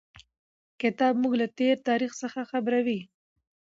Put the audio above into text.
کتاب موږ له تېر تاریخ څخه خبروي.